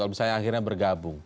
kalau misalnya akhirnya bergabung